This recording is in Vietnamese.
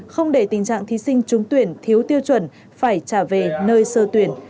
không để tình trạng thí sinh trúng tuyển thiếu tiêu chuẩn phải trả về nơi sơ tuyển